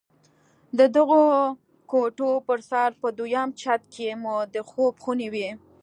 د دغو کوټو پر سر په دويم چت کښې مو د خوب خونې وې.